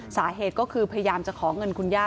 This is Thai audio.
สาเหตุก็คือพยายามจะขอเงินคุณย่า